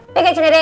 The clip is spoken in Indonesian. oke kacau gini deh